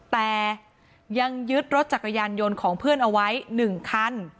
แต่ยังยึดรถจักรยานยนต์ของเพื่อนเอาไว้๑คัน